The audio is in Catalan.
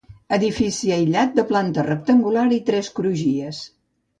Edifici aïllat de planta rectangular i tres crugies.